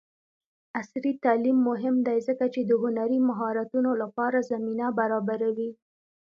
عصري تعلیم مهم دی ځکه چې د هنري مهارتونو لپاره زمینه برابروي.